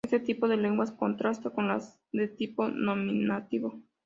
Este tipo de lenguas contrasta con las de tipo nominativo.